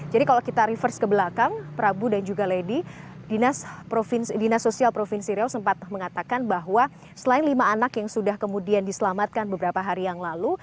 jadi kalau kita reverse ke belakang prabu dan juga lady dinas sosial provinsi riau sempat mengatakan bahwa selain lima anak yang sudah kemudian diselamatkan beberapa hari yang lalu